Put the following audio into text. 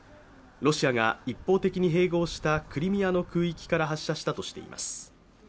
ロシアが一方的に併合したクリミアの空域から発射したとみられています。